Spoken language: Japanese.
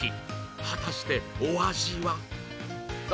果たしてお味は？